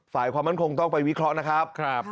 ฝ่ายความมั่นคงต้องไปวิเคราะห์นะครับ